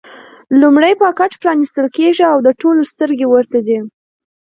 لومړی پاکټ پرانېستل کېږي او د ټولو سترګې ورته دي.